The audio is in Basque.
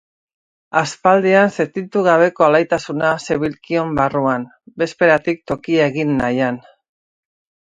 Aspaldian sentitu gabeko alaitasuna zebilkion barruan, bezperatik tokia egin nahian.